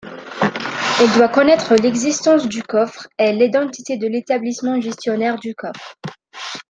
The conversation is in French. Il doit connaître l'existence du coffre et l'identité de l'établissement gestionnaire du coffre.